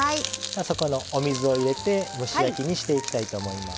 そこのお水を入れて蒸し焼きにしていきたいと思います。